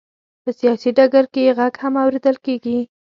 په سیاسي ډګر کې یې غږ هم اورېدل کېږي.